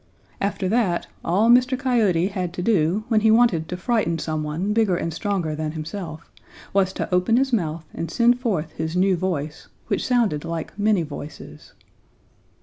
After that, all Mr. Coyote had to do when he wanted to frighten some one bigger and stronger than himself was to open his mouth and send forth his new voice, which sounded like many voices.